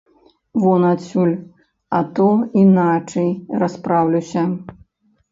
Вон адсюль, а то іначай распраўлюся!